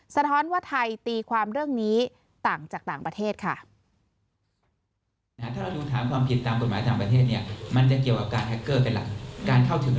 สะท้อนว่าไทยตีความเรื่องนี้ต่างจากต่างประเทศค่ะ